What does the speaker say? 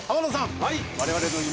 はい。